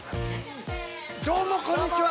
どうもこんにちは。